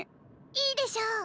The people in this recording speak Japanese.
いいでしょ。